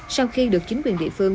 sau khi được chính quyền địa phương